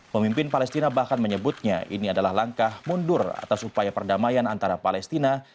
pemimpin palestina bahkan menyebutnya ini adalah langkah mundur atas upaya perdamaian antara palestina